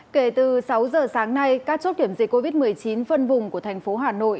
kể từ sáu giờ sáng nay các chốt kiểm dịch covid một mươi chín phân vùng của thành phố hà nội